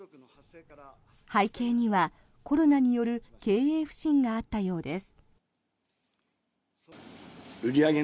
背景にはコロナによる経営不振があったようです。